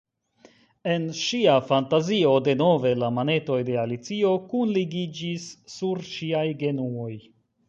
En ŝia fantazio denove la manetoj de Alicio kunligiĝis sur ŝiaj genuoj.